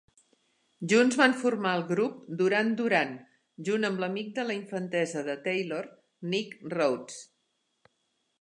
Junts van formar el grup Duran Duran, junt amb l"amic de la infantesa de Taylor, Nick Rhodes.